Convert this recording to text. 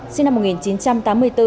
sinh năm một nghìn chín trăm tám mươi bốn